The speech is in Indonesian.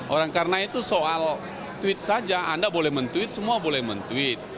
orang karena itu soal tweet saja anda boleh men tweet semua boleh men tweet